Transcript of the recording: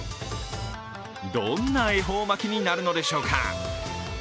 どんな恵方巻になるのでしょうか。